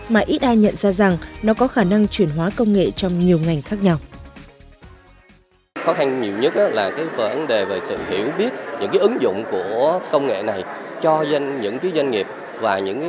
mà ít ai nhận ra rằng nó có khả năng chuyển hóa công nghệ trong nhiều ngành khác nhau